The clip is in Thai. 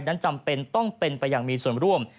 จำเป็นต้องเป็นไปอย่างมีส่วนร่วม